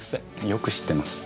よく知ってます。